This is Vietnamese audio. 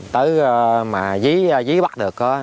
tới mà dí bắt được á